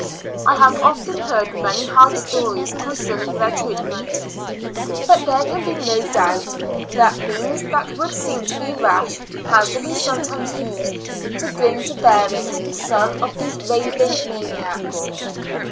I have often heard many hard stories concernino: their treatment, but there can be no doubt, that means that would seem to be rash has to be sometimes used, to bring to bearings some of these ravin o^ maniacs.